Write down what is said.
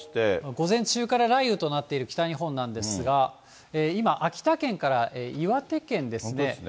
午前中から雷雨となっている北日本なんですが、今、秋田県から岩手県ですね。